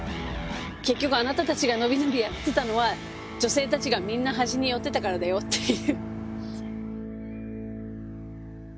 結局あなたたちが伸び伸びやってたのは女性たちがみんな端に寄ってたからだよっていう。